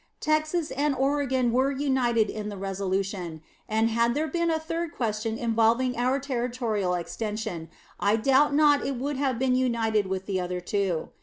Texas and Oregon were united in the resolution; and, had there been a third question involving our territorial extension, I doubt not it would have been united with the other two.